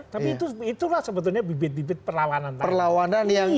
tapi itulah sebetulnya bibit bibit perlawanan